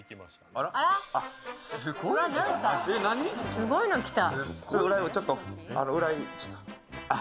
すごいの来た。